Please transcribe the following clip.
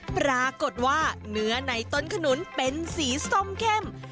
ปรากฏว่าเนื้อในต้นขนุนเป็นสีส้มเข้ม